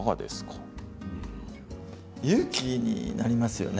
勇気になりますよね